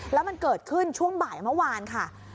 แล้วมันเกิดขึ้นช่วงบ่ายเมื่อวานค่ะ